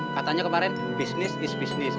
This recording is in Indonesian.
katanya kemarin bisnis is bisnis